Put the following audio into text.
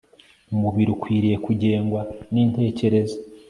Umubiri ukwiriye kugengwa nintekerezo